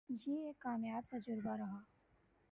یہ ایک کامیاب تجربہ رہا ہے۔